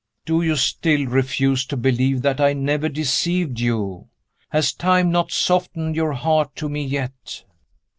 "Do you still refuse to believe that I never deceived you? Has time not softened your heart to me yet?"